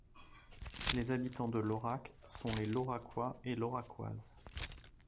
Les habitants de Laurac sont les lauracois et lauracoises.